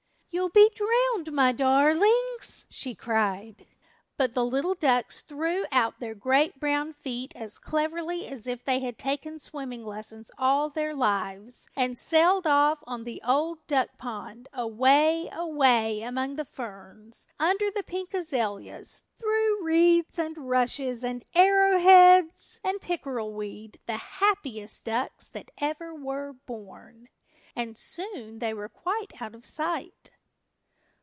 "You'll be drowned, my darlings!" she cried. But the little ducks threw out their great brown feet as cleverly as if they had taken swimming lessons all their lives and sailed off on the Old Duck Pond, away, away among the ferns, under the pink azaleas, through reeds and rushes and arrowheads and pickerel weed, the happiest ducks that ever were born. And soon they were quite out of sight.